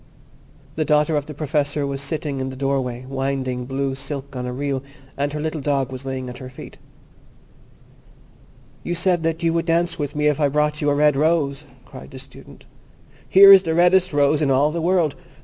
The daughter of the Professor was sitting in the doorway winding blue silk on a reel, and her little dog was lying at her feet. "You said that you would dance with me if I brought you a red rose," cried the Student. "Here is the reddest rose in all the world.